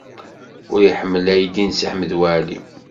Ur iḥemmel aydi n Si Ḥmed Waɛli.